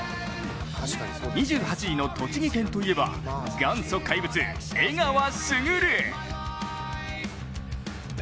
２８位の栃木県といえば元祖怪物・江川卓！